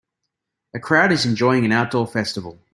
A crowd is enjoying an outdoor festival.